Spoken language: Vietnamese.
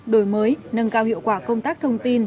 đổi mới nâng cao hiệu quả công tác thông tin